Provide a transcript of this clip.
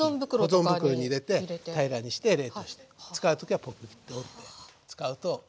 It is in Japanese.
保存袋に入れて平らにして冷凍して使う時はポキッと折って使うとすごく便利です。